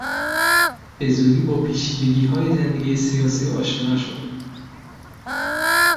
به زودی با پیچیدگیهای زندگی سیاسی آشنا شد.